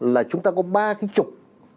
là chúng ta có ba cái trục